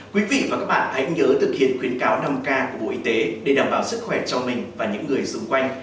quý vị và các bạn hãy nhớ thực hiện khuyến cáo năm k của bộ y tế để đảm bảo sức khỏe cho mình và những người xung quanh